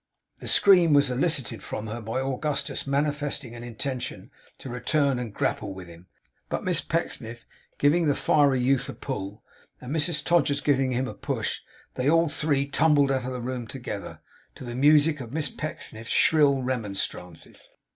The scream was elicited from her by Augustus manifesting an intention to return and grapple with him. But Miss Pecksniff giving the fiery youth a pull, and Mrs Todgers giving him a push they all three tumbled out of the room together, to the music of Miss Pecksniff's shrill remonstrances.